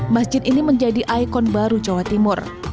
masjid ini menjadi ikon baru jawa timur